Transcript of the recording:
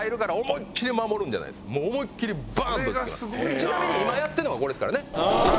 ちなみに今やってるのがこれですからね。